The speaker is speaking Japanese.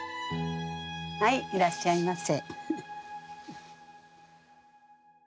はいいらっしゃいませ。